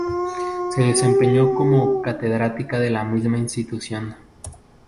Se desempeñó como catedrática de la misma institución.